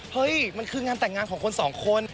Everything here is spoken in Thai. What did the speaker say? เฮ้ยมันคืองานแต่งงานของคนสองคน